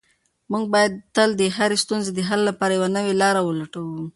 موږ باید تل د هرې ستونزې د حل لپاره یوه نوې لاره ولټوو.